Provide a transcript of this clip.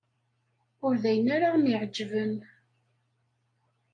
Ur d ayen ara m-iɛeǧben.